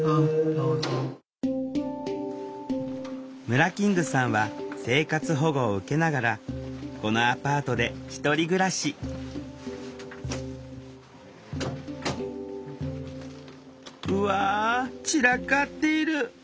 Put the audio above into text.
ムラキングさんは生活保護を受けながらこのアパートで１人暮らしうわ散らかっている。